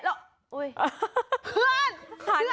โอ้ยเพื่อน